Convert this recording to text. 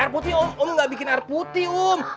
air putih um um gak bikin air putih um